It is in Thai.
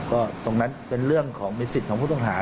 ก็ตรงนั้นเป็นเรื่องของมีสิทธิ์ของผู้ต้องหา